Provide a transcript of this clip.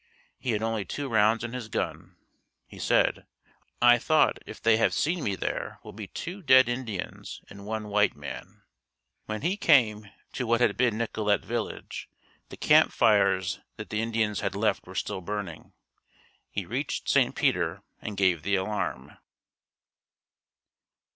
He had only two rounds in his gun. He said, "I thought if they have seen me there will be two dead Indians and one white man." When he came to what had been Nicollet Village, the camp fires that the Indians had left were still burning. He reached St. Peter and gave the alarm.